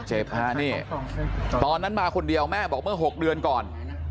นี่ตอนนั้นมาคนเดียวแม่บอกเมื่อ๖เดือนก่อน